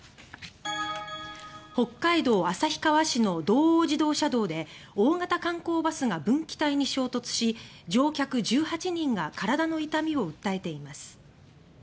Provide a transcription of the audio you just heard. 北海道旭川市の道央自動車道で大型観光バスが分岐帯に衝突し乗客１８人が体の痛みを訴えています。